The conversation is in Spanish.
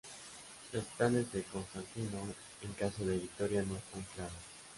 Los planes de Constantino en caso de victoria no están claros.